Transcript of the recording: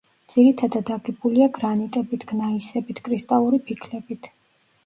ძირითადად აგებულია გრანიტებით, გნაისებით, კრისტალური ფიქლებით.